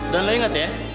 dan lo inget ya